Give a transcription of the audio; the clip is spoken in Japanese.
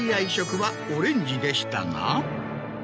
食はオレンジでしたが。